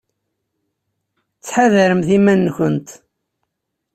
Ttḥadaremt iman-nkent.